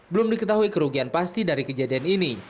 belum diketahui kerugian pasti dari kejadian ini